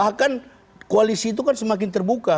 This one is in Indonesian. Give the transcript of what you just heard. bahkan koalisi itu kan semakin terbuka